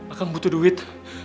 akang butuh duit